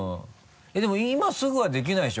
でも今すぐはできないでしょ？